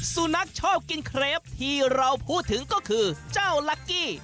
สุนัขชอบกินเครปที่เราพูดถึงก็คือเจ้าลักกี้